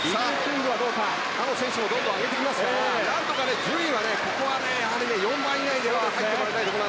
他の選手もどんどん上げてきますから何とか順位は４番以内には入ってもらいたいところ。